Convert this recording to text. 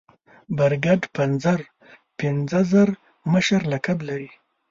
برګډ پنځر پنځه زر مشر لقب لري.